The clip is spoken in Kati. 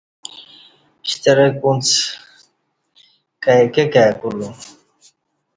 شترک اڅ کای کہ کای کولوم